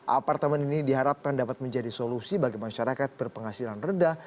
apartemen ini diharapkan dapat menjadi solusi bagi masyarakat berpenghasilan rendah